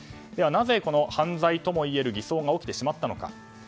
なぜ犯罪ともいえる偽装が起きてしまったのか。